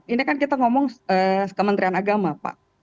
ini kan kita ngomong kementerian agama pak